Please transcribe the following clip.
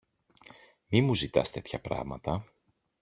Μη μου ζητάς τέτοια πράματα.